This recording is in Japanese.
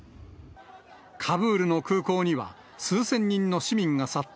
カブールの空港には、数千人の市民が殺到。